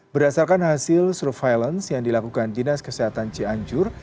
berdasarkan hasil surveillance yang dilakukan dinas kesehatan cianjur